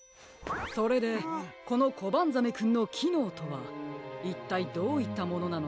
それでこのコバンザメくんのきのうとはいったいどういったものなのですか？